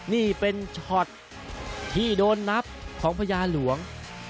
นี่เป็นช็อตที่โดนนับของพญาหลวง